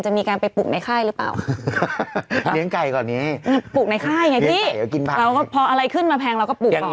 จะมีการไปปลุกในค่ายหรือเปล่า